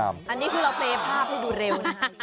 อันนี้คือเราเพลย์ภาพให้ดูเร็ว